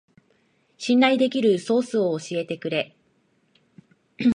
信頼できるソースを教えてくれ